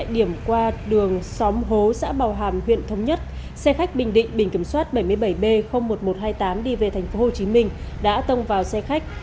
điểm qua đường xóm hố xã bảo hàm huyện thống nhất xe khách bình định bình kiểm soát bảy mươi bảy b một nghìn một trăm hai mươi tám đi về thành phố hồ chí minh đã tông vào xe khách